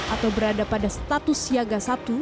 atau berada pada status siaga satu